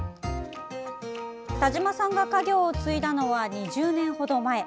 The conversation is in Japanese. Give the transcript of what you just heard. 田島さんが家業を継いだのは２０年ほど前。